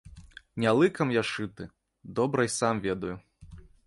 Не лыкам я шыты, добра і сам ведаю.